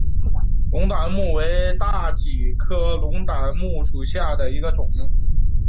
龙胆木为大戟科龙胆木属下的一个种。